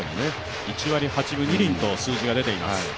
１割８分２厘と数字が出ています。